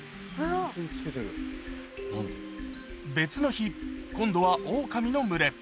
別の日、今度はオオカミの群れ。